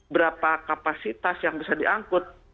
berapa kapasitas yang bisa diangkut